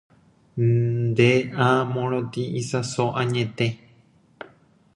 Ne ã morotĩ isãso añete